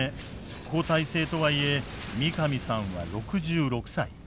交代制とはいえ三上さんは６６歳。